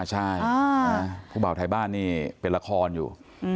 ใช่ผู้บ่าวไทยบ้านนี่เป็นละครอยู่